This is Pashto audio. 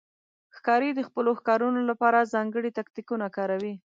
ښکاري د خپلو ښکارونو لپاره ځانګړي تاکتیکونه کاروي.